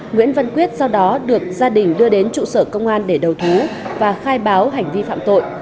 nguyễn văn quyết sau đó được gia đình đưa đến trụ sở công an để đầu thú và khai báo hành vi phạm tội